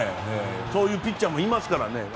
そういうピッチャーもいますからね。